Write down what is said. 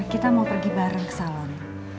kita mau pergi bareng ke salon